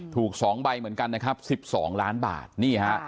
ถูก๒ใบเหมือนกันนะครับ๑๒ล้านบาทนี่ฮะ